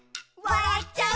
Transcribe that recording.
「わらっちゃう」